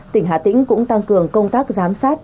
tỉnh hà tĩnh cũng tăng cường công tác giám sát